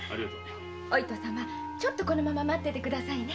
お糸様ちょっと待ってて下さいね。